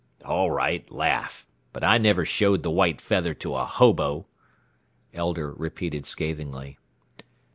"All right, laugh. But I never showed the white feather to a hobo," Elder repeated scathingly.